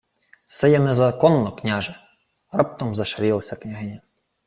— Се є незаконно, княже, — раптом зашарілася княгиня.